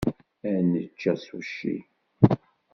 Ad necc asuci.